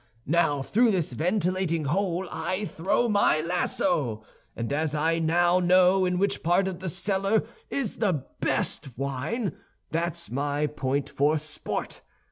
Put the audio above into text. Now through this ventilating hole I throw my lasso, and as I now know in which part of the cellar is the best wine, that's my point for sport.